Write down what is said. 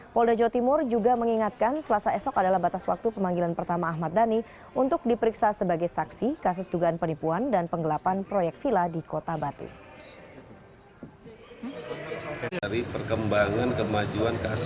polda jawa timur juga mengingatkan selasa esok adalah batas waktu pemanggilan pertama ahmad dhani untuk diperiksa sebagai saksi kasus dugaan penipuan dan penggelapan proyek villa di kota batu